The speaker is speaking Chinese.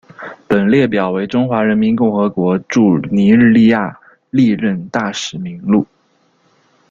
本列表为中华人民共和国驻尼日利亚历任大使名录。